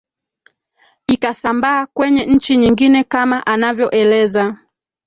ikasambaa kwenye nchi nyingine kama anavyoeleza